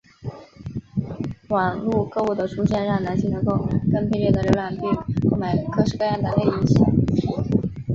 网路购物的出现让男性能够更便利地浏览并购买各式各样的内衣商品。